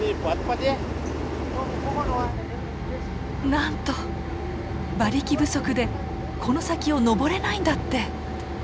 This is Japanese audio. なんと馬力不足でこの先を登れないんだって。